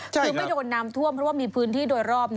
คือไม่โดนน้ำท่วมเพราะว่ามีพื้นที่โดยรอบ